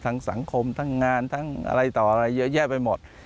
ทั้งสังคมทั้งงานอะไรต่ออะไรเยอะแยะไปหมด